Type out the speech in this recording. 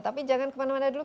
tapi jangan kemana mana dulu